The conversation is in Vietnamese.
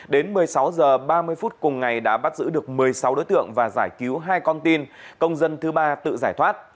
đến một mươi sáu h ba mươi phút cùng ngày đã bắt giữ được một mươi sáu đối tượng và giải cứu hai con tin công dân thứ ba tự giải thoát